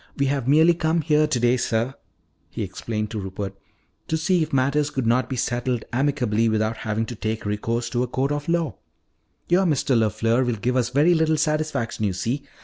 We have merely come here today, sir," he explained to Rupert, "to see if matters could not be settled amicably without having to take recourse to a court of law. Your Mr. LeFleur will give us very little satisfaction, you see.